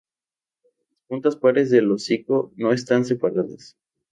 Las puntas pares del hocico no están separadas.